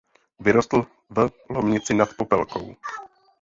Vyrostl v Lomnici nad Popelkou.